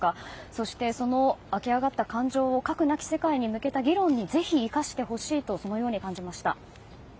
そして、その湧き上がった感情を核なき世界に向けた議論にぜひ生かしてほしいとそのように感じました。